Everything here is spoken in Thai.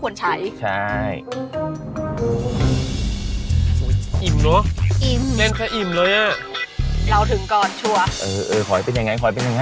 นะใช่ใช่อุ้ยมีกาและ